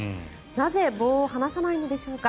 なぜ棒を放さないのでしょうか。